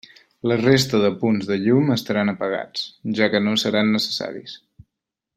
La resta de punts de llum estaran apagats, ja que no seran necessaris.